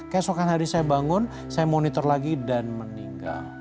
keesokan hari saya bangun saya monitor lagi dan meninggal